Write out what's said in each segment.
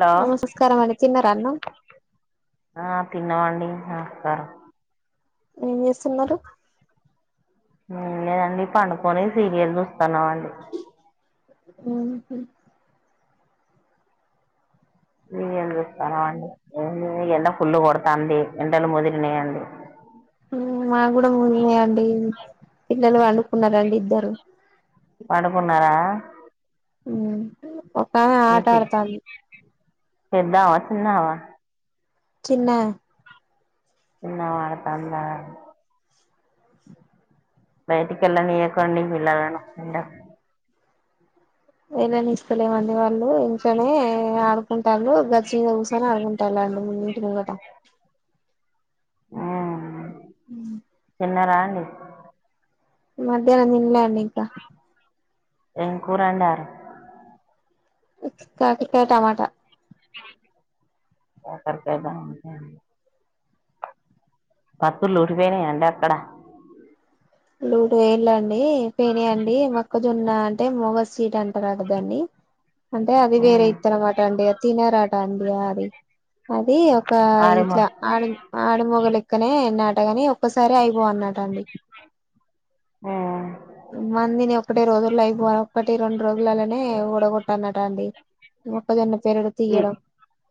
Hello నమస్కారం అండి తిన్నారా అన్నం తిన్నవండి [unintelligible] ఏం చేస్తున్నరు ఏం లేదండి పండుకొని సీరియల్ చూస్తున్నాం అండి హుహు సీరియల్ చూత్తన్నమండి ఏంలే ఎండ ఫుల్లు కొడతాంది ఎండలు ముదిరినయండి మాకు కూడా ముదిరినై అండి పిల్లలు పండుకున్నారా అండి ఇద్దరు పండుకున్నారా ఊ పాప్ ఆ ఆట ఆడతాండ్రు పెద్దమ చిన్నామా చిన్నా చిన్న అడతందా వేటికిలా నీకా ఉడి పళేడం ఇంట బయటికి ఎల్లనీకండి పిల్లలను ఇంట ఎలాని ఇస్తలేమండి వాళ్ళు ఇంకానే ఆడుకుంటారు గచి మీద కుసో గుంటాల అండి ము ముంగట ఆ ఉ అన్నారండి అన్నా రాండి మధ్యాహ్నం తినల అండి ఇంకా ఎంకూ రం కాకరకాయ టమాట కాకరకాయ టమాట పత్తుర్లుూటిపోయినాయి అ అక్కడ లూడు వేళ్ళండి పెనియంండి మొక్కజొన్న అంటే మొగ సీట్ అంటారంట దాన్ని అంటే అది వేరే మ్మ్. ఇత్తనామట అండి అది తినరా అండి ఆరి [inaudible] అది ఒక ఆరేమో ఇట్లా ఆడ ఆడమొగల క్కనే నాటగాని ఒక్కసారి ఐపో అన్నాటండి ఆ ఒకటే రోజుల్లో టో కొట్టానటండి మొక్కజొన్న పెరుగు ఈ తియ్యగా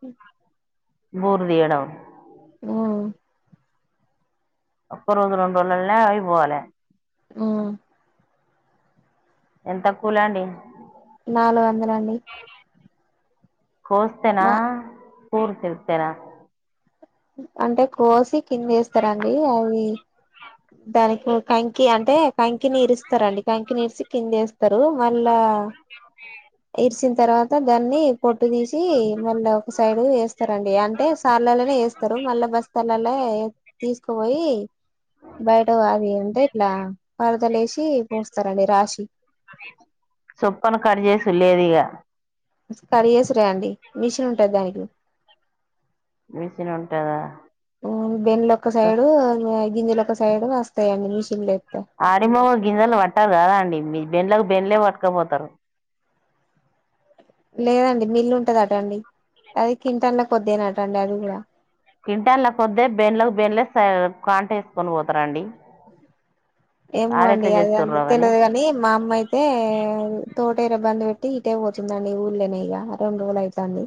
యొ బూరు దియ్యడం ఉమ్ ఒక్క రోజు రెండు రోజులల్నే ఆయిపోవాలే ఊ ఎంత కూలండి నాలుగు వందలండి కోస్తేనా కూర్ తెరిత్తేనా అంటే కోసి కిందేస్తరండి అవి దానికి కంకి అంటే కంకి నీరుస్తారండి కంకి నీరిసి కిందేస్ తరు మళ్ళా ఇరిసిన తర్వాత దాన్ని కొట్టు తీసి మళ్ళా ఒక సైడ్ వేస్తారండి అంటే సార్లలోనే వేస్తారు మళ్ళా బస్తాలలో తీసుకో భయి బయట వాది అంతా ఇట్లా పరదలేసి తీ సొప్పను కట్ చేేసుడు లేదు ఇగ సరియేసురే అండి మిషన్ ఉంటాది దానికి మిషన్ ఉంటదా ఊ బెన్లొక సైడు గింజలొక సైడు వేస్ తయని మిషిన్ లేప్ ఆడిమవల్ గింజెలు పట్టరు కదా అండి మీ బెండ్లకు బెండ్లే పట్టుకపోతరు లేదండి మిల్లు ఉంటది అట అండి అది కింటల కొద్దేనట అండి అది కూడా కింటల్ల కొద్దే బెన్లకు బెన్లే సా కాంట వేసుకొని పోతారంండి ఏమో అండి అది అంత తెలీదు కాని మా అమ్మ అయితే తో పేరు ఇబ్బంది పెట్టి ఇటే పోతుందండి ఊర్ళనే ఇగ రెండ్ రోజులు అయితాంది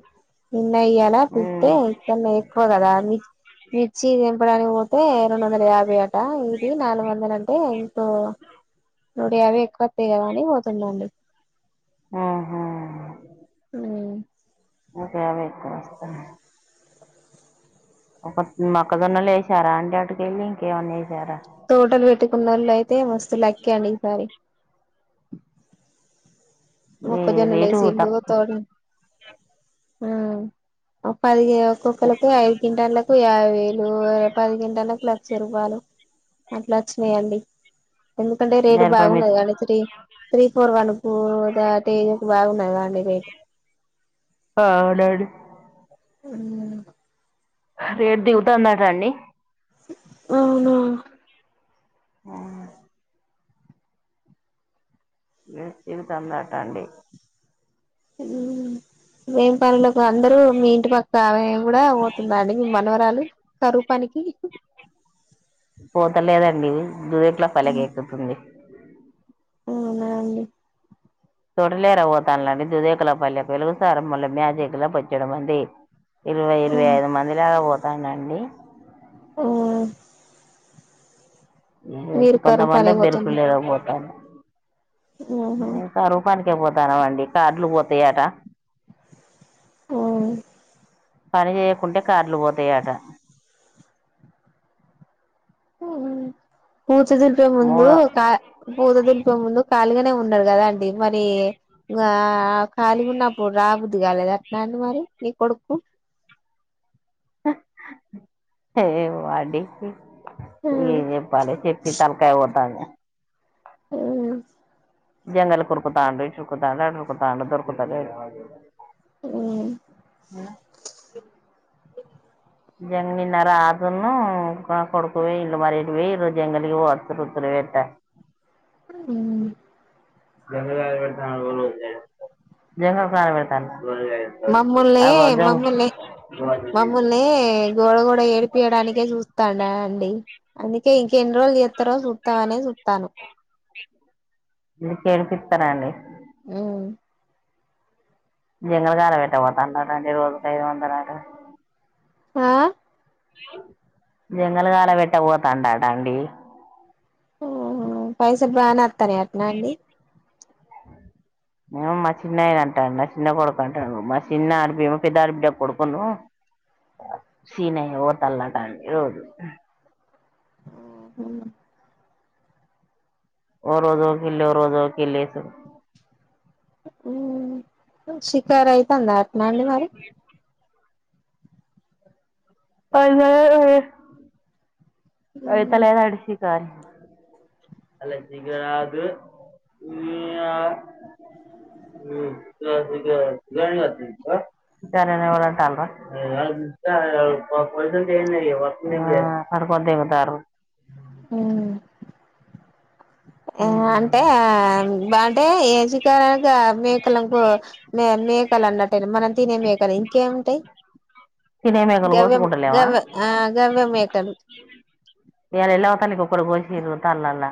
అయ్యాల పితే ఇన్నా ఎక్కువ కదా మిర్చి దంపడానికి పోతే రెండు వందల యాభై అట ఇది నాలుగు వందల ో నుడు అవి ఎక్కువతాయి కదా అని పోతుందండి ఆ ఓ కవ ఇ వస్త ఒక మొక్కజోన్నలు వేసారా అండి అటుకెళ్ళి ఇంకేమన్నా వా తోటలు పెట్టుకున్న వాళ్ళు అయితే మస్తు లక్కీ అండి ఈసారి ఒక్కదాన్నే రేటు లేసి ఇల్లు ఊక్త తక్కువ హ్మ్మ్ ఒక్కటే ఒక్కొక్కరికి ఐదు క్వింటాలకు యాభ వేలు పది క్వింటాలకు చెరుగాళ్లు అట్లా వచ్చినాయండి ఎందుకంటే రేటు మిరప మిర్చి బాగున్నది కానీ three three four one two అ [unintelligible] బాగున్నది కాదండి రేటు ఆ డాడీ హ్మ్మ్ రేటు దిగుతాందా అండి అవునా హ్మ్మ్ ఇవితందాటా అండి హ్మ్మ్ ఏం పన్లాక్ అందరుూ మీ ఇంటి పక్కన ఆమె కూడా పోతుందా అండి మీ మనవరాలు కరువు పనికి పోతలేదండి దురేట్లా పలగేక్కుతుంది అవునా అండి తొడలేర ఓతన్లోని దుదేకులపల్లెకు వెలుగుసారముల మ్యాజిక్ లా బొచ్చేడు మంది ఇరవై ఇరవై ఐదు మంది దాకా పోతుం కానండి హ్మ్ వచ్చు కరువు కొంతమంద పనికి పోతుండ్రా బెరుకుల్ ఏరపోతారు కరువు పని కే పోతనంమండి కాట్లు పొత్తయట హ్మ్ పని చేయకుంటే కార్డ్లు పోతయట హు పూత దులిపే ముందు మూడో కా పూత దులిపే ముందు ఖాళీగనే ఉన్నాడు కదాండి మరి ఆ ఖాళగున్నప్పుడు రాబుద్ది కాలేదు అట్న అండి మరి నీ కొడుక్కు హే ఏమో అండి ఏం చెప్పాలి చెప్పి తలకాయిపోతంది హ్మ్ జంగలి కురుకుతాండు ఇటు ఉరుకుతాండు అటు ఉరుకుతండు దురుకుతలేడు వడు హ్మ్ ఇగ నిన్న రాజున్ను మా కొడుకు వొయ్యిల్లు మరి ఏటువోయిల్లో జంగలికి వతురుతురు వెట్ట ఆ జంగల్ కలవేడతాల్ల మమ్ముల్ని మమ్ముల్ని మమ్ముల్ని గోడగోడ ఏడిపియడానికే చూస్తాండ డా డి అందుకే ఎన్ని రోజులు చేత్తరో చుత్తామనే చుతాళ్లూ ఇది కేడిపిస్తారండి జంగ కాల పెట్ట పోతాండట అండి రోజుకైదు వందాలట ఆ జంగలి కాల పెట్ట పోతాండటండి ఓహ పైసాల్ బానే తయానా అట్నా అండి ఏమో మా చిన్నయన అంటాడు నా చిన్న కొడుకు అంటాడు మా చిన్న అడపి ఏమో పెద్ద అడపిడ్డ కొడుకున్ను సీనయ్యా వోతల్లాట రోజు ఉ హు హు ఓ రోజ్ ఒకిళ్లు రోజో ఒకిళ్లు ఏస్ శికారయితందా అట్ నాండి మరి పైసల్ ఏడున్నయి పైసల్ ఏడాషి [unintelligible] సారు హ్మ్ ఆ అంటే ఆ అంటే ఏసి కారు మేకకు మే మేకలు అన్నట్ట మనం తినే మేకలు ఇంకేం టే తినే మేకలు గవ్యం కోసుకుంటలేమా గవ్య గవ్యం మే టెం ఏర ఎలా తానకి ఒకక్కరు కోశతాలలా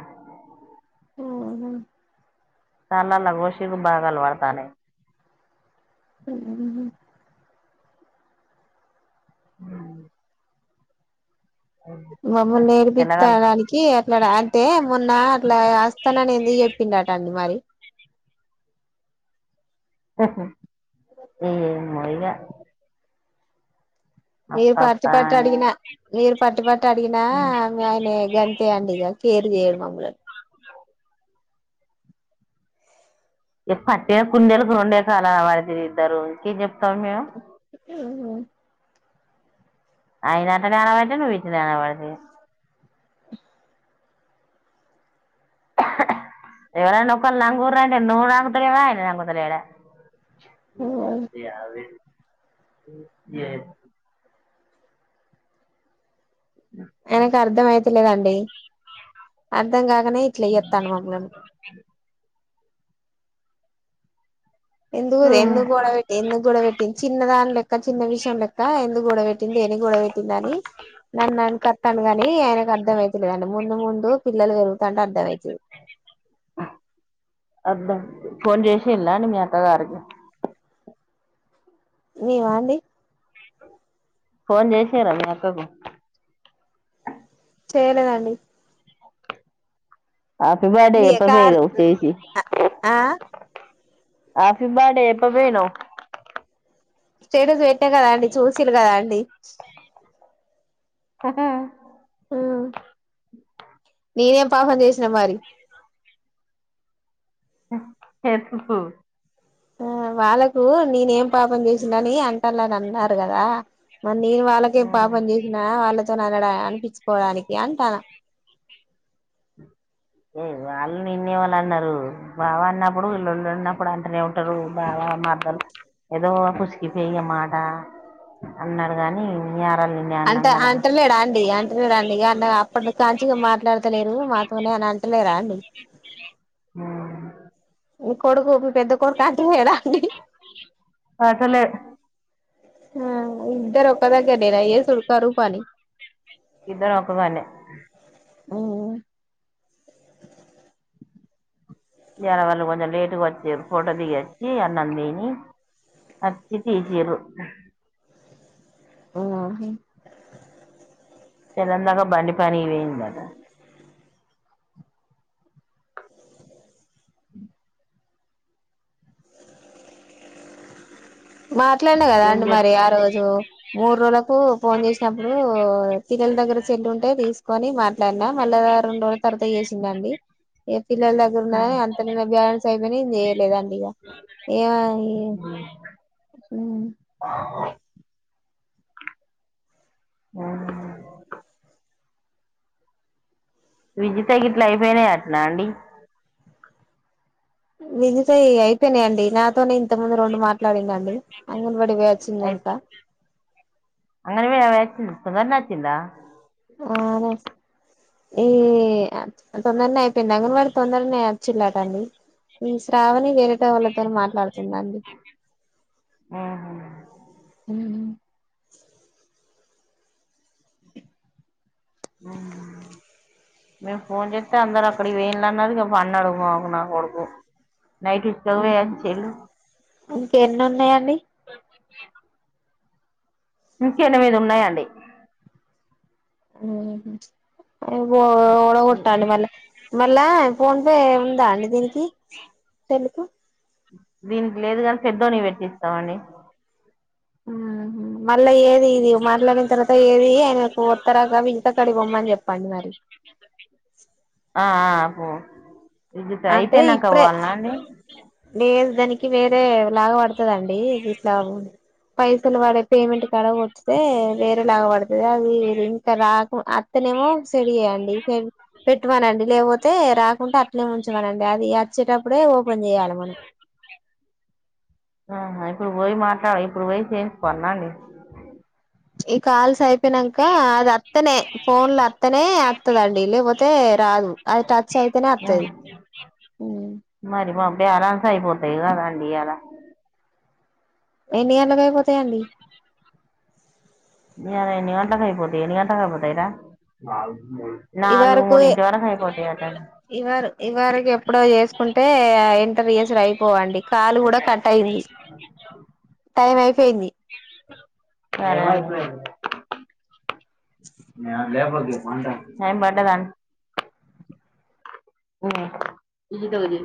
హ్మ్ చాలా లఘోషీకు బాగాలపడతానే స ఆ మమ్మల్ని తెల్లగాలు నేర్పిచడానికి అట్లా అంటే మొన్న అట్లా వస్తాననిందుకు చెప్పిండటండి మరి ఓహో ఏయ్యమోగా మీరు అత్త అత్త పట్టి పట్ అని అడిగిన మీరు పట్ పట్టు అడిగినా ఆయన గంతే అండి ఇక కేర్ చేయడు మమ్మల్ని ఇ పట్టె కుందెలు రెండే కాల మతద్దరు చినపు అయనాాటనేనవాట ఇటి నావాడ ఎవడ నొక్క నంగుర అంటే నుూ అంగతులేవా నంగతు ఎడ వాీ అవ్జ్ ఏ ఎనకు అర్థమయలేదాండడి అర్థం కాక నే ఇట్లయతాను మమ్ ఎందుకు గొడవెట్టి ఎందుకు గొడ పెట్టింది చిన్న దాని లెక్క చిన్న విషయం లెక్క ఎందుకు గొడవ ఎందుకు గొడవ పెట్టింది అని నన్నున్న ఎనక తండా గాని ఆయనకు అర్థం అయితలేదండి ముందు ముందు పల్లలు పెరుగుతాంట అర్థమై అదా ఫోన్ చేసిలా మీ అక్కగారికి మీమా అండి ఫోన్ చేశారా మీ అక్కకు చేలేదండి ఆపి బేడ నీ అప్ప కా ఫరు చేసి ఆ ఆఫి బాడే ఎప్ప పేన స్టేటస్ పెట్ అ కదండి చూసిలు కద అండి హ్మ్ ఆ నేనేం పాపం చేసిన మరి హ్మ్ చెప్పు ఆ వాళ్ళ పు నీనేం పాపం చేసిన అని అంటాళ్ళని అన్నార్ కదా మరి నేను వాళ్ళకేం ఉమ్. పాపం చేసిన వాళ్ళక్ తోననయే అనిపించుకోవడానికి అంటాన హు వాళ్ళు నిన్నే మని అన్నరు బావ అన్నప్పుడు లోల్లన్నప్పుడు అంటనే ఉంటారు బావ మర్ద్దలు ఏదో పుసికిపోయిమాట అన్నరు గాని యారాలు నిన్నే అని అంట అన్నదా అంటలేడా అండి అంటలేడాండి ఇగ అన్ అప్పటి కాంచిగా మాట్లాడుతలేరు మాతోనే అని అంటలే రా అండి ఆ మీ కొడుకుకు పడ్తలేద్ ఆ ఇద్దరోకదగ్ గ్గర్నీనా ఏసుడు కరువు పని ఇద్దరు ఒకగానే హు ఇయ్యాలా వాళ్ళు కొంచెం లేటుగొచ్చిర్రు ఫోటో దిగొచ్చి అన్నం తిని వచ్చి తీసిర్రు మ్ హ తెల్లందాక బండి పనికి పోయిందట మాట్లాడినా కదా ఏం అండి మరి చేస్తా ఆ రోజు మూడు రోజులకు ఫోన్ చేసినప్పుడు పిల్లల దగ్గర సెల్లుంటే తీసుకొని మాట్ ట్లన్న మళ్ళా రెండు రోజుల తర్వత్ త చేసిందండి ఇగ పిల్లల దగ్గరున్నదనీ అంతలే నాకు బ్యాలెస్స్ అయి ఇంగ నీన్ చేయలేదండి ఇగ ఏమ్ అనే [inaudible] ఉమ్ విజితయ్ గిట్ల అయిపోయినాయట్నా అండి వినితయ్ ఇగ ఐ అయిపోయినాయండి నాతోనే ఇంత ముందు రెండు మాట్లాడిందండి అంగన్బడికి పోయెచ్చిందంట తొందర్నె వచ్చిందా ఆ న ఈ తొందర్నె అయిపోయింది అంగన్వాడి తొందర్నె వచ్చిల్లాట అండి ఈ శ్రావణి వేరేట వాళ్ళతోనీ మాట్లాడుతుందండి ఆహ ఉమ్ మీమ్ ఫోన్ చేతె అందరక్కడికి పోయిండ్లన్నది ఇగ పన్నాడు మ నా కొడుకు నైట్ ఇసుకపోయి వచ్చిండు ఇంకేన్నున్నాయండి ఇంక ఎనిమిది ఉన్నాయండి మ్ హు ఎవ్వో ఓడగొట్టండి మళ్ళ మళ్ళా ఫోన్ పే ఉందా అండి దీనికి తెలుకు దీనికి లేదు గాని పెద్దోనికి పెట్టిస్తామండి ఊహు మళ్ళ ఏద్ ఇది మాట్లాడిన తర్వాత ఏది ఆయనకు తరగవి అక్కడిపొమ్మని చెప్పండి మరి ఆ ఆ విద్యుత్ అయిపొయ్ నాక పోవాల్నా అండి లేద్ దానికి వేరే లాగ బడతదండి ఇట్లా [unintelligible] పైసలు వాడే పేమెంట్ కడ గొచ్చతే వేరే లాగా బడతది అది రింక్ రాకు అత్తనేమో సెడి జెయండి సె పెట్టిమనండి లేకపోతే రాకుంటే అట్నే ఉంచమనండి అది అచ్చేటప్పుడే ఓపెన్ చేయాలె. వన అ ఇప్పుడు బొయ్ మాట్లా ఇప్పుడు బొయ్ చేసుకోవాల్న అండి ఇ కాల్సై ప్పినంక అది అత్తనే ఫోన్ లో అత్తనే అత్తదండి లేపోతే రాదు, అది టచ్ అయితేనే అత్తది. బ్యాలెన్స్ అయిపోతాయి గదండి ఇయాల ఎన్ని గంట్లకి అయిపోత్ తేండి ఇయాల ఎన్ని గంట్లకైపోతై ఎన్ని గంట్లకైపోతయిరా ఇవరకు ఎ ఇవర్ ఇవరకు ఎప్పుడో చేస్కుంటే ఇంటర్ జేసుడు అయిపోవండి, కాలు గుడ కట్ అయింది టైమై పేంది సరే [inaudible] న లే బగే నేన్ బడదాన్ ఇదితది